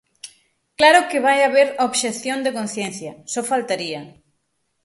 Claro que vai haber obxección de conciencia, só faltaría.